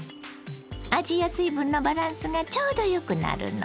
味や水分のバランスがちょうどよくなるの。